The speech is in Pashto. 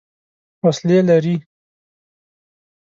وسلې لري.